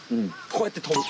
こうやってとぶ。